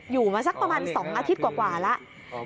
อยู่มาสักประมาณ๒อาทิตย์กว่าแล้ว